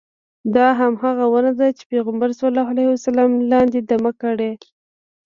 دا همغه ونه ده چې پیغمبر صلی الله علیه وسلم لاندې دمه کړې.